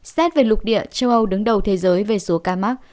xét về lục địa châu âu đứng đầu thế giới về số ca mắc